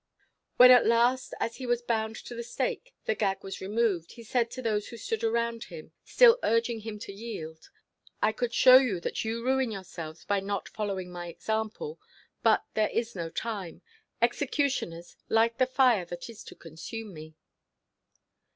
When at last, as he was bound to the stake, the gag was removed, he said to those who stood around him, still urging him to yield, "I could show you that you ruin yourselves by not following my example; but there is no time. Executioners, light the fire that is to consume me."